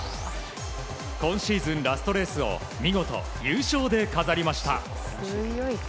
今シーズンラストレースを見事、優勝で飾りました。